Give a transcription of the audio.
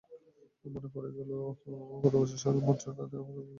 মনে পড়ে গেল, গত বছর স্যালমন রানে আমার বন্ধু বাকি আমাকে চ্যালেঞ্জ করেছিল।